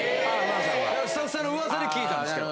スタッフさんの噂で聞いたんですけど。